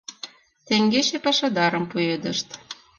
— Теҥгече пашадарым пуэдышт.